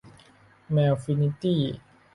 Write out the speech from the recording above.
แมวฟินิตี้